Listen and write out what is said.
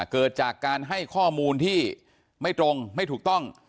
เกิดจากการให้ข้อมูลที่ไม่ตรงไม่ถูกต้อง